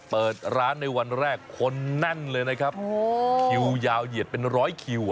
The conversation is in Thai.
เปิดร้านในวันแรกคนแน่นเลยนะครับคิวยาวเหยียดเป็นร้อยคิว